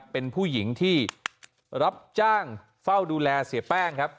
เป็นผู้หญิงที่รับจ้างเฝ้าดูแลเสียแป้งครับ